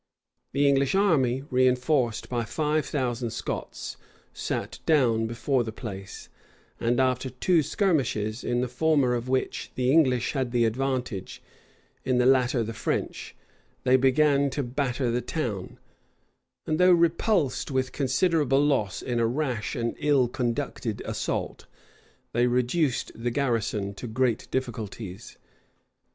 The English army, reënforced by five thousand Scots,[*] sat down before the place; and after two skirmishes, in the former of which the English had the advantage, in the latter the French, they began to batter the town; and, though repulsed with considerable loss in a rash and ill conducted assault, they reduced the garrison to great difficulties.